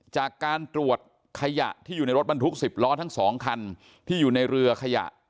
จากการตรวจขยะที่อยู่ในรถบรรทุก๑๐ล้อทั้งสองคันที่อยู่ในเรือขยะ